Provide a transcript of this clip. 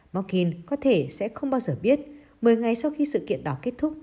markin có thể sẽ không bao giờ biết một mươi ngày sau khi sự kiện đó kết thúc